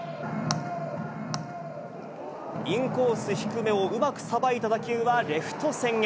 インコース低めをうまくさばいた打球はレフト線へ。